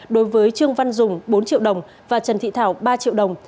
đối với trương văn dùng bốn triệu đồng và trần thị thảo ba triệu đồng